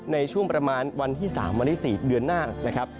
ในช่วงประมาณวันที่๓วันที่๔เดือนหน้านะครับ